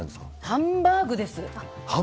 ハンバーグです。